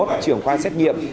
trưởng khoa xét nghiệm